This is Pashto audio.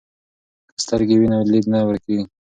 که سترګې وي نو لید نه ورکیږي.